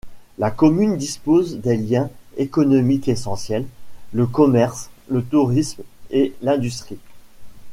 La commune dispose des liens économiques essentiels, le commerce, le tourisme et l'industrie.